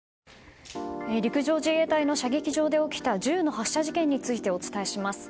陸上自衛隊の射撃場で起きた銃の発射事件についてお伝えします。